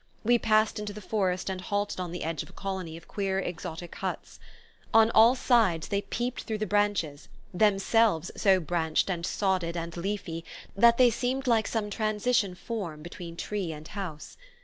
We passed into the forest and halted on the edge of a colony of queer exotic huts. On all sides they peeped through the branches, themselves so branched and sodded and leafy that they seemed like some transition form between tree and house.